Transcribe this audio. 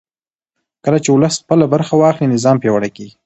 کله چې ولس خپله برخه واخلي نظام پیاوړی کېږي